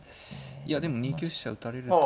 いやでも２九飛車打たれると。